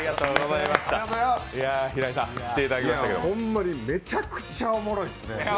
ほんまにめちゃくちゃおもろいっすね。